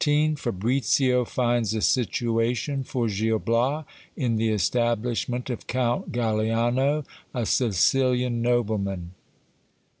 — Fabricio finds a situation for Gil Bias in the establishment of Count Galiauo, a Sicilian nobleman.